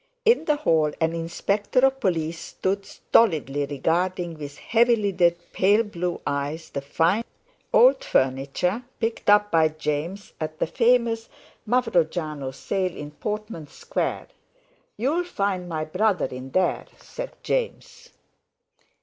In the hall an Inspector of Police stood stolidly regarding with heavy lidded pale blue eyes the fine old English furniture picked up by James at the famous Mavrojano sale in Portman Square. "You'll find my brother in there," said James.